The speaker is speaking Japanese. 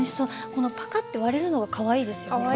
このパカッて割れるのがかわいいですよね。